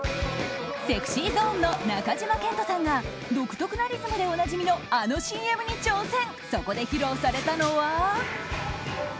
ＳｅｘｙＺｏｎｅの中島健人さんが独特なリズムでおなじみのあのＣＭに挑戦。